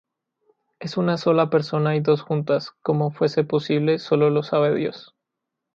Es una sola persona y dos juntas: como fuese posible solo lo sabe Dios.